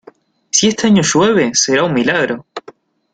Si este año llueve, será un milagro.